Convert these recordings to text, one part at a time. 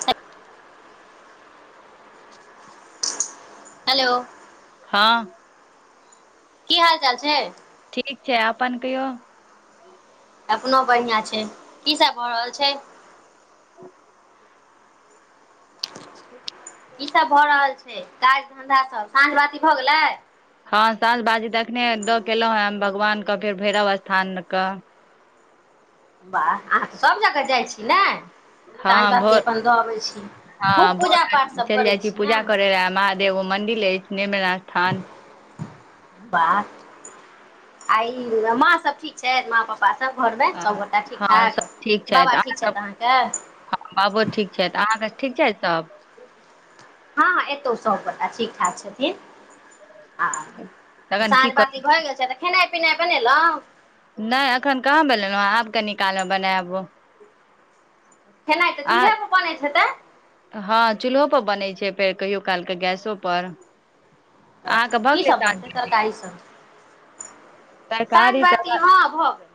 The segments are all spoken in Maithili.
छ [inaudible] हेलो हँ की हाल चाल छै ठीक छै अपन कहियौ अपनो बढ़िआँ छै की सब भऽ रहल छै ह ई सब भए रहल छै काज धंधा सभ साँझ बाती भए गेलै हँ साँझ बाती तखने दऽ केलहु हें भगवान के फेर भैरव स्थान क वाह अहाँ तऽ सभ जगह जाइ छी ने साँझ हँ बाती भोर अपन दऽ अबै छी हँ खूब भोर पूजा पाठ केँ सब चलि करै जाइ छी ने पूजा करे लए ऐगो मन्दिर अछि निर्मास्थान बस आइ सब ठ [inaudible] छथि माँ पापा सभ घरमे सभगोटा ठीक हँ सब ठाक ठीक बाबा अहाँ ठीक छथि सब अहाँकेँ हँ बाबू ठीक छथि अहाँके ठीक छथि सभ हँ हँ एतौ सब गटा ठीक ठाक छथिन आ तखन सझ की कर ब भए गेल छै तऽ खेनाइ पिनाइ बनेलहुँ नहि अखन कहाँ ब लेलहुँँ आब कऽ निकालहु बना आबू खैना तऽ चूल्हे प बन छै तऽ हँ चूल्हो पर बनै छै फेर कहियो काल के गैसो पर अच्छा अहाँके भऽ की गेले सब बनतै तरकारी सब साँझ बात हँ भऽ गेल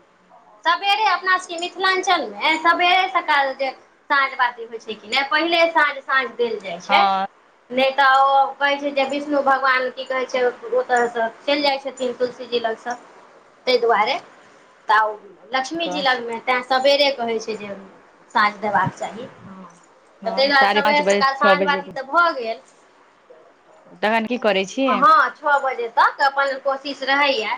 सबेरे अपना सभके मिथिलांचल में सबेरे सकाल जे साँझ बाती होइ छै कि नहि पहिले साँझ साँझ देल जाइ छै हँ नहि तऽ ओ कहैत छै जे विष्णु भगवान की कहै छै ओतऽसँ चलि जाइत छथिन तुलसी जी लगसँ ताहि दुआरे तऽ लक्ष्मी जी लगमे तैं सबेरे कहै छै जे साँझ देबाक चाही ह तऽ हँ ताहि दुआरे साढ़े पाँच सबेर बजे सकाल छओ साँझ बजे बाती तऽ भऽ गेल तखन की करै छी हँ छओ बजे तक अपन कोशिश रहैया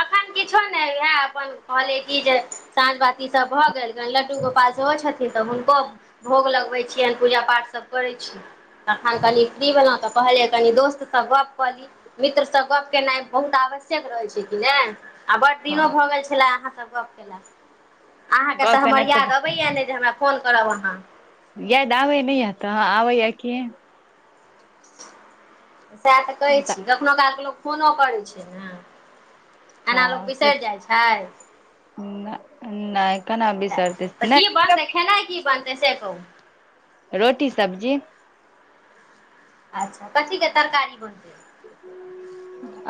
अखन किछो नहि इहै अपन कहइले की जे साँझ बाती सब भए गेल गन लड्डू गोपाल सेहो छथि तऽ हुनको भोग लगबैत छियैन पूजा पाठ सभ करै छी तखन कनि की भेलहु तऽ कहलिये कनि दोस्तसँ गप्प कऽ ली मित्रसँ गप्प केनाइ बहुत आवश्यक रहैत छै कि नहि आ बड्ड हँ दिनो भऽ गेल छला अहाँ सँ गप्प केला अहाँके गप तऽ केनाइ हपर याद अबैए नहि जे हमरा फोन करब अहाँ याद आबै न य तऽ आबे य कि सेह तऽ कहै छी कखनो कालके लोक फोनो करै छै नाऽ एना लोग हँ से बिसरि जाइ छै नहि केना बिसरतै तऽ की नहि बनतै खेनाइ की बनतै से कहू रोटी सब्जी अच्छा कथीके तरकारी बोनतै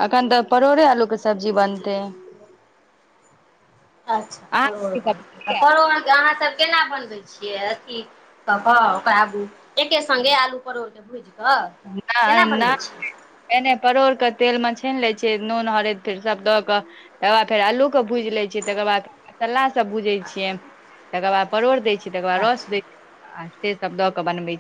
एखन तऽ परोड़े आलू के सब्जी बनतै [inaudible] अच्छा परोर अहाँके की बनतै सब्जी यै? परोर अहाँसभ केना बनबै छियै अथी कऽ कऽ ओकरा एके संगे आलू परोर के भुजि कऽ केना बनबै छियै नइ - नइ परोड़ कऽ तेल मऽ छान लै छियै नून हरैद फेर सब दऽ कऽ तकर बाद फेर अल्लूकेँ भूजि लैत छियै तकर बाद मसालासभ भूजै छियै तकर बाद परोड़ देय छियै तकर बाद रस अच्छा देय आ से सब द के बनवे छिये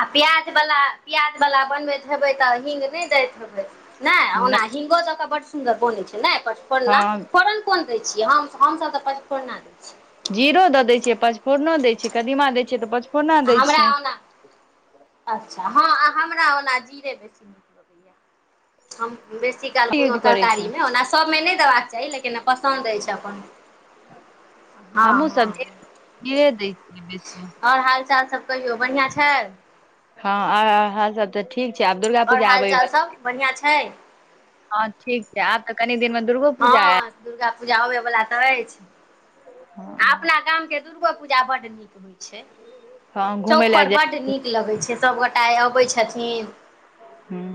आ प्याजवला प्याजवला बनबैत हेबै तऽ हींग नहि दैत हेबै नहि ओना हिंगो द क बड सुन्दर बनै छै नय पचफोरना हँ फोरन कोन दै छियै हम हमसभ तऽ पंचपोरना दै छियै जीरो दऽ दै छियै पचफोरनो दैत छियै कदीमा दैत छियै तऽ पचफोरना आ दै हमरा छियै ओना अच्छा हँ हमरा ओना जीरे बेसी नीक लगै या हम बेसी काल यूज कोनो करै छै तरकारीमे ओना सभमे नहि देबाक चाही लेकिन पसन्द अछि अपन हँ हमहु हँ सब्जी खीरे दै छियै बेसी आओर हाल चाल सब कहियौ बढ़िआँ छै हँ हँ आओर हाल सब तऽ ठीक छै आब दुर्गा आओर पूजा हाल आबै चाल सब बढ़िआँ छै हँ ठीक छै आब तऽ कनि दिन मे दुर्गो पूजा आयत हँ दुर्गा पूजा अबयवला तऽ अछि आ अपना गाम के दुर्गो पूजा बड नीक होइ छै हँ घुमय चौक लए पर जाय बड्ड नीक लगै छै सभगोटा अबै छथिन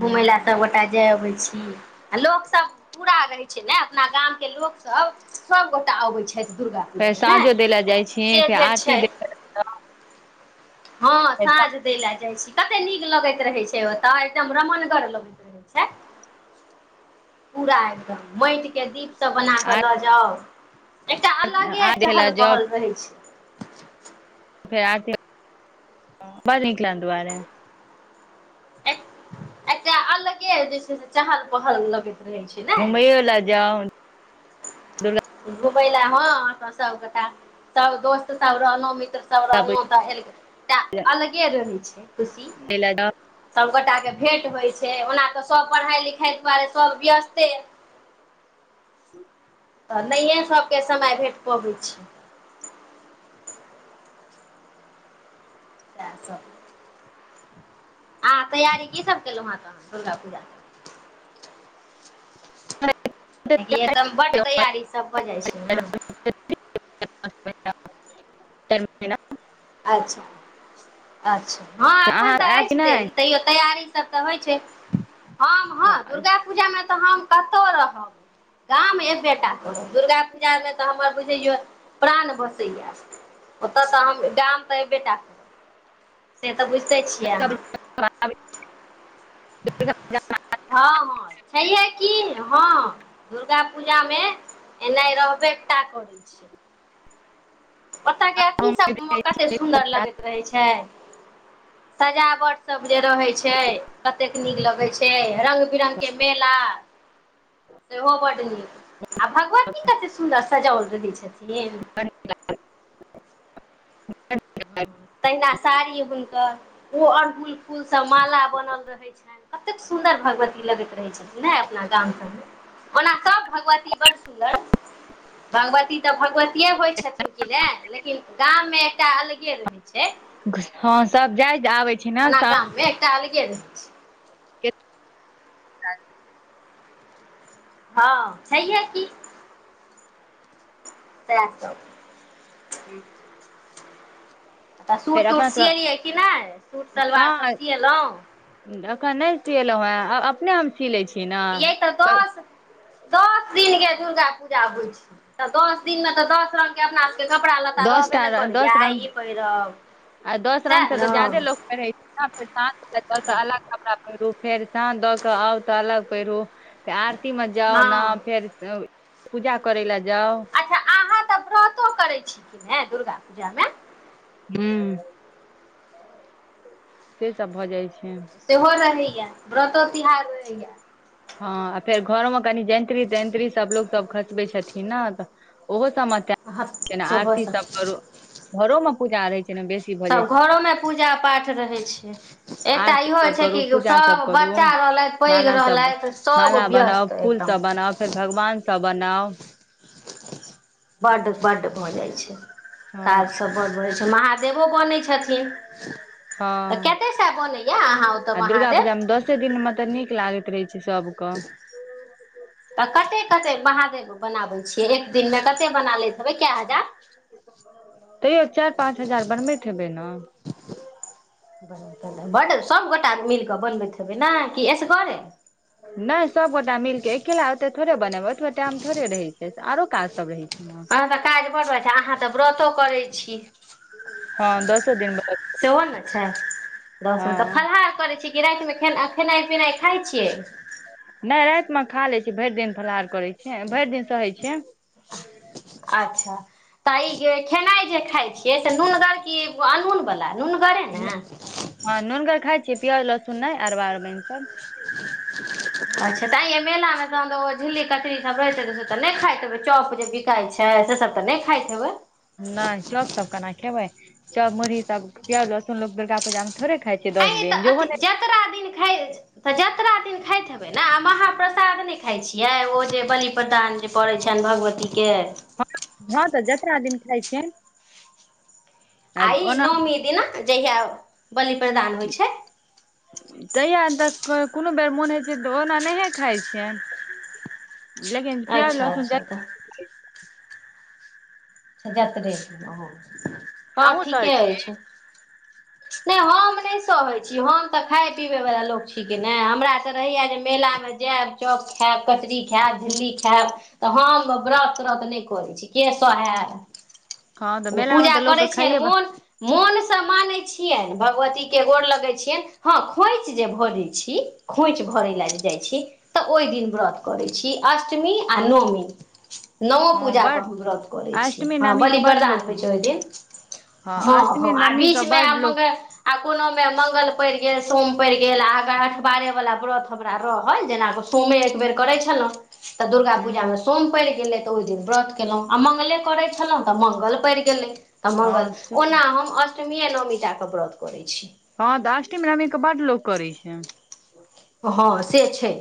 घूमय लए सभगोटा जाय अबै छी आ लोक सब पूरा रहै छै ने अपना गामके लोकसभ सभगोटाे अबैत छैथ दुर्गा फेर पूजामे ने साँझो दै ले जाइ छी से फेर धरि छै आरती दे हँ साँझ दै लऽ जाइ छी कते नीक लगैत रहै छै ओतऽ एकदम रमनगर लगैत रहै छै पूरा एकदम माटिके दीपसभ बना कऽ लऽ जाउ एकटा अलगे आरती लए चहल जाउ पहल रहै छै फेर आरती हो [unintelligible] दुआरे एकटा अलगे जे छै से चहल पहल लगैत रहे छै ने घुपइयो लऽ जाउ दुर्गा घुमैय लऽ हँ अपन सब गोटा सब दोस्त सब रहलहु मित्र सब सब रहलहुँ तऽ एकटा अलगे रहै छै खुशी पूजा लए सभगोटाके भेंट होइ छै ओना तऽ सभ पढ़ाइ लिखाइ दुआरे सभ व्यस्ते तऽ नहिए सभके समय भेट पबै छै तैय सब आ तैयारी की सभ केलहुँ हेँ तहन दुर्गा पूजा केँ कियाकी एकदम बड तैयारी सब भऽ जाइ छै न [unintelligible] अच्छा अच्छा हँ एखन अहाँ तऽ आयब कि अछि नहि देरी तैयो तैयारी सब तऽ होइ छै हम हँ दुर्गाापूजामे तऽ हम कतऽ रहब गाम एकबेटा करब दुर्गा पूजामे तऽ हमर बुझै प्राण बसैए ओतऽ तऽ हम गाम तऽ एबेटा से तऽ बुझिते छियै अहाँ [unintelligible] हँ हँ छैहे की हँ दुर्गा पूजामे एना रहबे एकटा करै छिय ओत के अथी सब कते सुन्दर लगैत रहै छै सजावट सब जे रहै छै ततेक नीक लगै छै रंगग बिरंग के मेला [inaudible] ओहो बड़ नीक आ भगवती कतेक सुन्दर सजाओल रहैत छथिन ह ह तहिना साड़ी हुनकर ओ अड़हुल फूल सब माला बनल रहे छनि कतेक सुन्दर भगवती लगैत रहैत छथिन ने अपना गाम सभमे ओना सभ भगवती बड्ड सुन्दर भगवती तऽ भगवतए होइत छथिन कि नहि लेकिन गाममे एकटा अलगे रहैत छै छै हँ सब जाइ आबै छै ने सब कल गेलल [unintelligible] हँ छैह कि त सब ह तऽ फेर सूट तूट अपना सब सिएलियै कि नहि सूट सलवार कहाँ सब सिएलहुँ एखन नहि सिलहुँ हेँ आ अपने हम सी लै छी ने यै तऽ दस दस दिन के दुर्गा पूजा होइ छै तऽ दस दिन में तऽ दस रंग के अपना कपड़ा लत्ता दस रहबे टा ने करिय दस रंग आइे पहिरब आ दस रंग सएह से तऽ ज्यादे ने लोक पहिर छै फेर साँझ द के अलग कपड़ा पहिरु फेर साँझ द के आउ तऽ अलग पहिरू ते आरती मे जाउ ने हँ फेर पूजा करै लए जाउ अच्छा अहाँ तऽ व्रतो करै छी दुर्गा पूजामे ह से सब भऽ जाइ छै सेहो रहैया व्रतो तिहार रहैया हँ फेर घरो मे कनि जंत्र्री तैंत्र्री सब लोग सब खसबै छथिन ने तऽ ओहो सबमे हँ [unintelligible] सेहो आरती सब करू घरो मे पूजा रहै छै ने बेसी भऽ जाइ तब छै घरोमे पूजा पाठ रहै छै एकटा आरती इहो होइ सब छै करू कि पूजा सब सभ करू बच्चा रहलथि पैघ माला सब रहलथि सभ माला बनाउ व्यस्त फूल एकदम सब बनाउ फेर भगवान सब बनाउ बड्ड बड्ड भऽ जाइत छै हँ काजसभ बड्ड भऽ जाइत छै महादेवो बनैत छथिन हँ कते साय बनैया अहाँ ओतय महादेव दिन मे तऽ नीक लागैत रहै छै सबके तऽ कते कते महादेव बनाबैत छियै एक दिनमे कते बना लैत हेबै कए हजार तैयो चारि पाँच हजार बनबैत हेबै ने बड्ड सभगोटा मिल कऽ बनबैत हेबै ने कि एसगरे नहि सब गोटा मिलके एकला होतऽ टाइम थोरबै रहै छै आरो काज सब रहै छै ने अहाँ क तऽ काज बड़ छै अहाँ तऽ व्रतो करै छी हँ दशो दिन ब सेहो ने छै दस में तऽ फलाहार करै छी किरााति में खेना खेनाइ पिनाइ खाइ छियै नहि राति में खा लैत छीै भरि दिन फलाहार करैत छी भरि दिन सहैत छ अच्छा तऽ इ जे खेनाइ जे खाइ छियै से नूनगर की अनहुन वला नून गे नहि, ने हँ नूननकगर खाय छीियै प्याज लहसुन नहि अरबारमन सब अच्छा तऽ आ मेलामे तह झिल्ली कचरी सब रहै छैै त से तऽ नहि खाइतबै चॉप जेिक खाइ छै से सब तऽ नय खाइत हेए नहि चौक सब केना खेबै चौक मुुरही सब प्याज लहसुन लोग दुर्गा पूजा में थोड़े खााय छै दस अ दिन तऽ अथी जोहो जतरा दिन ख जतरा दिन खाबै नइ हम अहाँ प्रसाद नहि खाइ छियै ओ जे बलिपदान जे पड़ैत छनि भगवतीके हँ हँ तऽ जतरा दिन खाइ छै ई नौमी दिना जहिया बलि प्रदान होइ छै तहिया तऽ कोनो बेर मोन होइत छै तऽ ओना नहि खाइ छै अच्छा लहसुन अच्छा तऽ जते हं हँ अहूँ सहै ठीके छी अछि नहि हम नहि सहैत छी हम तऽ खाय पिबैवला लोक छिकै नहि हमरा तऽ रहैया जे मेला में जाएब चौक खाएब कचरी खायब दिल्ली खैब तऽ हम व्रत त्रत नहि करै छी केसो हे है हँ तऽ मेला मे पूजा तऽ करै लोकके छियनि खाइये मोन मोन से माने छियनि भगवती के गोर लगे छियनि हँ खोंछ जे भऽजय छी खोंछ त ओहि व छी नओ हँ पूजा के बड हम व्रत करै छी अष्टमी हँ नवमी बलि के बड वदान लोक होइ छै ओहि दिन हँ हँ अष्टमी आ नवमी के बीच में बड लोक आ कोनो में मंगल पड़ गेल सोम पड़ गेल आग अठबारे वला व्रत हमरा रहल जेना तुम एक बेेर करै छलहुँ तऽ दुर्गा पूजा हूँ में सोम पड़ि गेलै तऽ ओहि दिन व्रत केलहुँ आ मङंगले करैत छलहुँ तऽ मंगल पैर गेलै तऽ मंगल हँ से ओना हम अष्टमीए न ओमीटाके व्रत करै छी हँ तऽ आष्टमी में क बट लोक करी छै हँ से छै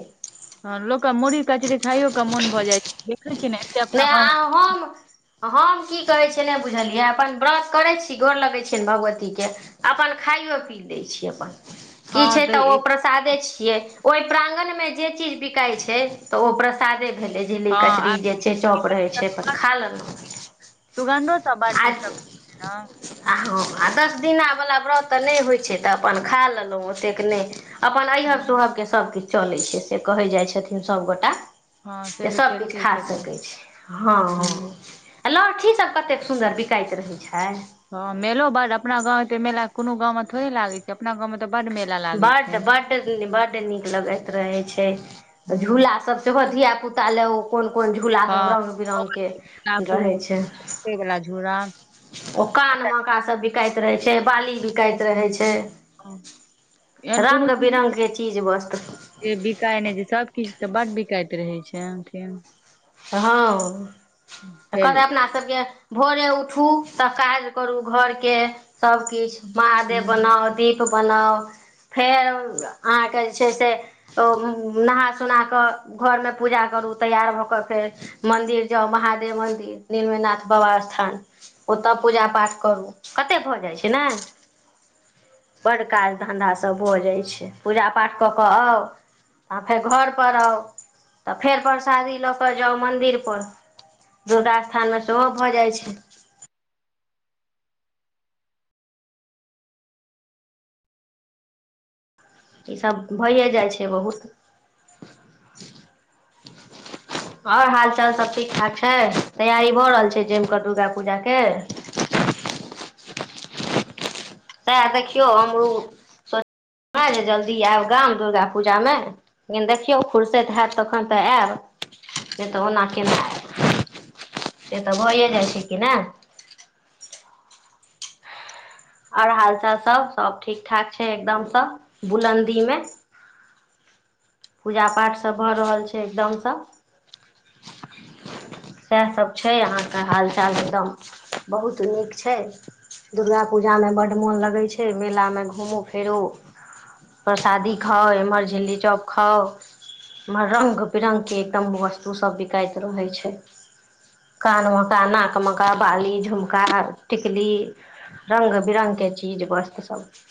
ह लोक के मुरहि कचरी खाइयो कऽ मोन भऽ जाइ छै देखै छी ने एते अपना हम्म हम की कहैत छियै नहि बुझलियै अपन व्रत करै छी गोर लगैत छियनि भगवतीके अपन खाइयो पी दै छी अपन की हँ छै तऽ ओ प् एक- प्रसादे छियै ओहि प्रांगण में जे चीज बिकाय छै तऽ ओ प्रसादे झिली हँ आ कचरी जे जे छोप रहै छै सुगन्ध- खा लेना सुगन्धो सब बड आ नीक सब हँ आ हँ आ दस दिनावला व्रत तऽ नहि होइत छै तऽ अपन खा लेलहुँ ओतेक नह अपन अऐहब हँ सोहबके सभकछु चलै छै से कहै जाइत छथिन सभगोट हँ से तऽ चलितै छैथि हँ आ लहठी सभ कतेक सुन्दर बिकाइत रहैत छै हँं मेलो बड अपना गावं मेला कोनो गां थोड़े लागे छै अपना गावंऽ बड मेला लागै बड छै बड बड नीक लगैत रहे छै हूँ झूला स सेहो धियापुता ल कोन कोन झूला सभ हँ रंग बिरंग के रहै छै वला झूरा ओ कानमेका सभ बिकाइत रहै छै बाली बिकाइत रहै छ एहन कोनो ची के चीज वस्तु बिकाय नहि छै सब किछ तऽ बड बिकाइत रहै छै अहा क तऽ हँ तऽ फेर कहतै अपना सबक भोरे उठु तऽ काज करु घर के सब किछ महादेव हूँ बनाउ दी बनाउ फेर अहाँके जे छै स ओ नहा सुना कऽ घरमे पूजा करू तैयार भऽ क फेर मंन्दिर जाउ महादेव मन्दिर नीलमनाथ बाबा स्था ओतय पूजा पाठ करू कतेक भऽ जाइत छै न बड् काज धन्धासँ भऽ जाइ छै पूजा पाठ कऽ कऽ आ आ फेर घरप आउ तऽ फेर परसादी ल तऽ जाउ मन्दिर पर दुर्गा स्थान में सेहो भऽ जाइ छै ईसभ भइए जाइ छै बहुत ओर हाल चाल सब ठीक ठाक छै तैयारी भऽ रहल छै जैम कऽ दुर्गा पूजा क सएह देखियौ हमरो सोच हँ जे जल्दी आयब गाम दुर्गा पूजा में लेकिन देखियौ फुरसैत हैत तखन तऽ आयब नहि तऽ ओना केन से तऽ भइए जाइ छै कि नहि आओर हालचाल सब सब ठीक ठाक छै एकदम सब बुलन्दी में पूजा पाठ सभ भऽ रहल छै एकदमस सएहसभ छै अहाँके हालचाल एकदम बहुत नीक छ दुर्गा पूजामे बड्ड मोन लगै छै मेलामे घूमू फिर प्रसादी खाउ एम्हर झिल्ली चॉप खा रङ्ग बिरङ्गके एकदम वस्तुसभ बिकाइत रहै छ कान मका नाक मका बाली झुमका टिकल रङ्ंग बिरङंगगके चीज वस्त्र सब